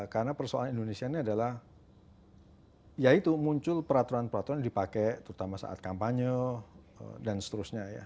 karena persoalan indonesia ini adalah ya itu muncul peraturan peraturan yang dipakai terutama saat kampanye dan seterusnya ya